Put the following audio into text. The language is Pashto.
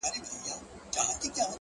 هغه سړی کلونه پس دی” راوتلی ښار ته”